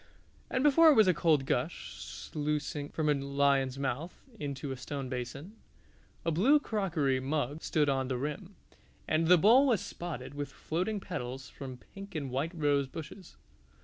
and before it a cold gush sluicing from a lion's mouth into a stone basin. A blue crockery mug stood on the rim, and the bowl was spotted with floating petals from pink and white rose bushes.